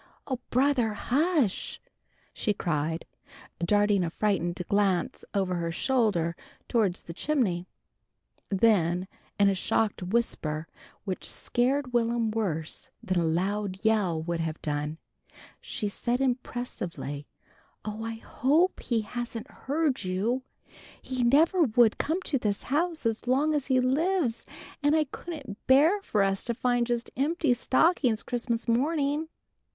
"Oh, brother! Hush!" she cried, darting a frightened glance over her shoulder towards the chimney. Then in a shocked whisper which scared Will'm worse than a loud yell would have done, she said impressively, "Oh, I hope he hasn't heard you! He never would come to this house as long as he lives! And I couldn't bear for us to find just empty stockings Christmas morning."